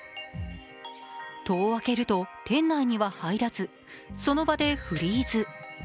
戸を開けると、店内には入らず、その場でフリーズ。